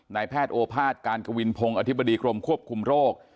นายแพทย์โอภาษย์การกวินพงศ์อธิบดีกรมควบคุมโรค